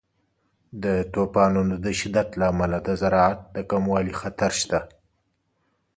د طوفانونو د شدت له امله د زراعت د کموالي خطر شته.